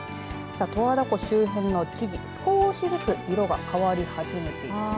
十和田湖周辺の木々少しずつ色が変わり始めています。